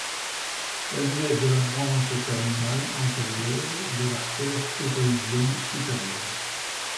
Elle nait de la branche terminale antérieure de l'artère thyroïdienne supérieure.